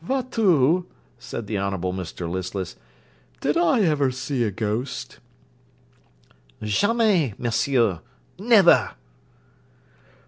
'Fatout,' said the Honourable Mr Listless, 'did I ever see a ghost?' 'Jamais, monsieur, never.'